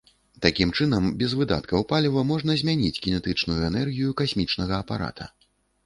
Такім чынам, без выдаткаў паліва можна змяніць кінетычную энергію касмічнага апарата.